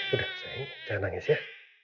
udah sayang jangan nangis ya